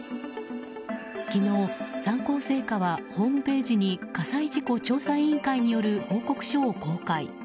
昨日、三幸製菓はホームページに火災事故調査委員会による報告書を公開。